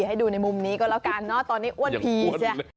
ให้ดูในมุมนี้ก็แล้วกันเนอะตอนนี้อ้วนผีสิ